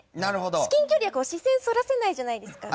至近距離は視線そらせないじゃないですか。